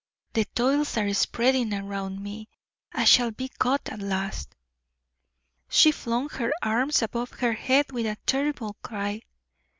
"The toils are spreading around me; I shall be caught at last." She flung her arms above her head with a terrible cry.